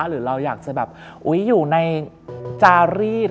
หรือเราอยากจะแบบอยู่ในจารีด